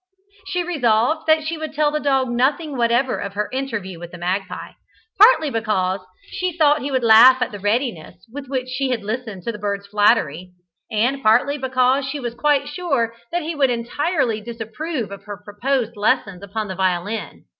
She resolved that she would tell the dog nothing whatever of her interview with the magpie, partly because she thought he would laugh at the readiness with which she had listened to the bird's flattery, and partly because she was quite sure that he would entirely disapprove of her proposed lessons upon the violin.